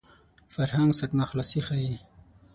فرهنګ سرناخلاصي ښيي